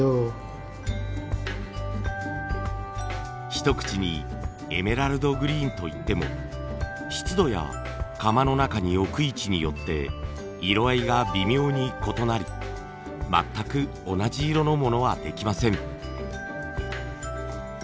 一口にエメラルドグリーンといっても湿度や窯の中に置く位置によって色合いが微妙に異なり全く同じ色のものはできません。